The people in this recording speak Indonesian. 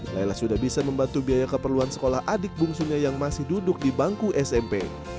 layla sudah bisa membantu biaya keperluan sekolah adik bungsunya yang masih duduk di bangku smp